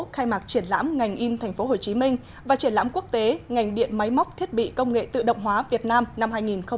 khai mạc triển lãm ngành in tp hcm và triển lãm quốc tế ngành điện máy móc thiết bị công nghệ tự động hóa việt nam năm hai nghìn hai mươi